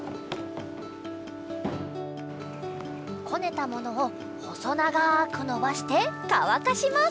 こねたものをほそながくのばしてかわかします。